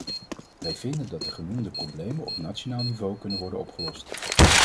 Wij vinden dat de genoemde problemen op nationaal niveau kunnen worden opgelost.